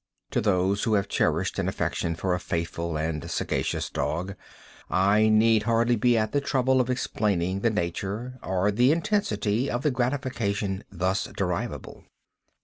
To those who have cherished an affection for a faithful and sagacious dog, I need hardly be at the trouble of explaining the nature or the intensity of the gratification thus derivable.